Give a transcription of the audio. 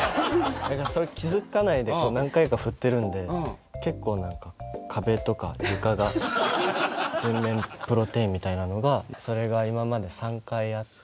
だからそれ気付かないで何回か振ってるんで結構何か壁とか床が全面プロテインみたいなのがそれが今まで３回あって。